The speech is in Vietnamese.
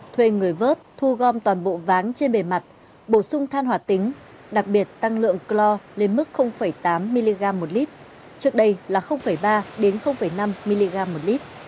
thuê người vớt thu gom toàn bộ váng trên bề mặt bổ sung than hoạt tính đặc biệt tăng lượng clor lên mức tám mg một lít trước đây là ba năm mg một lít